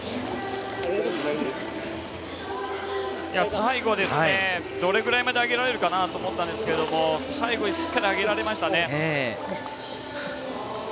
最後、どれぐらいまで上げられるかなと思ったんですけども最後しっかり上げられましたね。